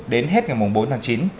đến hết ngày mùng bốn tháng chín